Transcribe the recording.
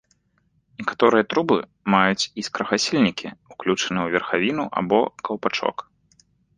Некаторыя трубы маюць іскрагасільнікі, ўключаныя ў верхавіну або каўпачок.